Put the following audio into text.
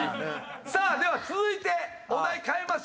さあでは続いてお題変えましょう。